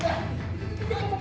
iya kerasa kerasa tumbang